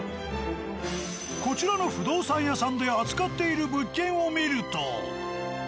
こちらの不動産屋さんで扱っている物件を見ると。